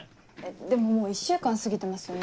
でももう１週間過ぎてますよね。